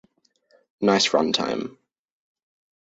Nice runtime.